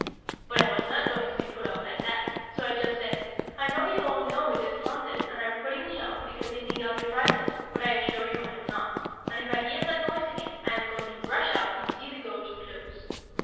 But I was not going to be put off like that, so I just said, "I know you all know it is haunted and are putting me off because you think I'll be frightened; but I assure you I am not, and if I hear the noise again I am going to rush out and see the ghost close."